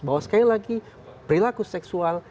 bahwa sekali lagi perilaku seksual